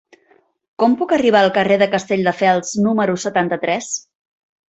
Com puc arribar al carrer de Castelldefels número setanta-tres?